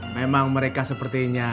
memang mereka sepertinya